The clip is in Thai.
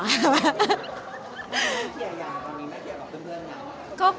เกี่ยวอย่างนี้น่าเกี่ยวกับเพื่อนอย่างไร